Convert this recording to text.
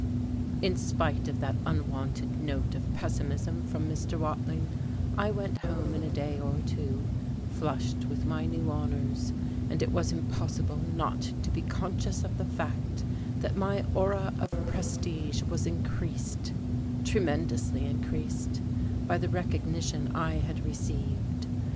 In spite of that unwonted note of pessimism from Mr. Watling, I went home in a day or two flushed with my new honours, and it was impossible not to be conscious of the fact that my aura of prestige was increased tremendously increased by the recognition I had received.